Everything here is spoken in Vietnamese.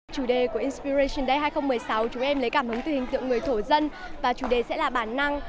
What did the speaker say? chủ đề của insperation day hai nghìn một mươi sáu chúng em lấy cảm hứng từ hình tượng người thổ dân và chủ đề sẽ là bản năng